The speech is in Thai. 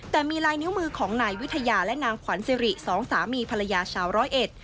แต่มีลายนิ้วมือของนายวิทยาและนางขวัญสิริสองสามีภรรยาชาวร้อยเอ็ด